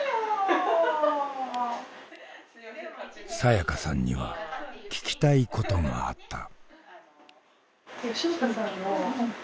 さやかさんには聞きたいことがあった。